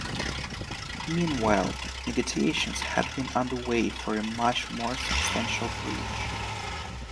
Meanwhile, negotiations had been underway for a much more substantial bridge.